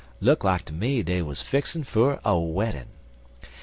Look like ter me dey wuz fixin' fer a weddin'.